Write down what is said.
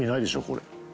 これ。